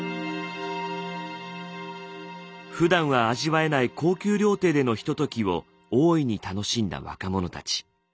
ふだんは味わえない高級料亭でのひとときを大いに楽しんだ若者たち。